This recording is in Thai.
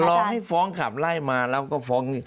รอให้ฟ้องขับไล่มาแล้วก็ฟ้องนี่